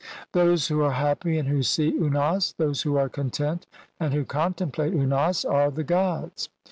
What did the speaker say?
(584) "Those who are happy and who see [Unas], 'those who are content and who contemplate [Unas] 'are the gods.